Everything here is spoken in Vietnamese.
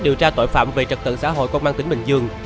điều tra tội phạm về trật tự xã hội công an tỉnh bình dương